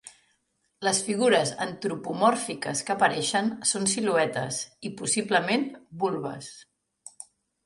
Les figures antropomòrfiques que apareixen són siluetes i, possiblement, vulves.